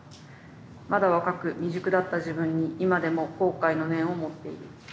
まだ若く未熟だった自分に今でも後悔の念を持っている」。